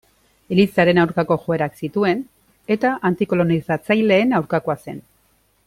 Elizaren aurkako joerak zituen eta antikolonizatzaileen aurkakoa zen.